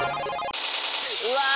うわ！